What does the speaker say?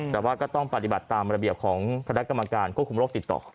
แต่ว่าก็ต้องปฏิบัติตามระเบียบของคณะกรรมการควบคุมโรคติดต่อ